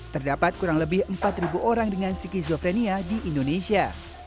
terdapat kurang lebih empat orang dengan skizofrenia di indonesia